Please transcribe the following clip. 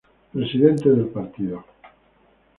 Presidentes del partido